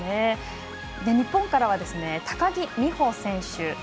日本からは、高木美帆選手。